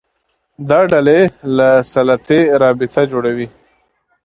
دا ډلې له سلطې رابطه جوړوي